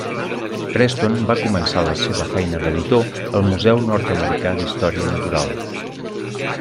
Preston va començar la seva feina d'editor al Museu nord-americà d'Història Natural.